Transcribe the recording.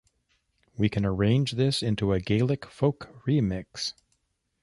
We can arrange this into a Gaelic folk remix.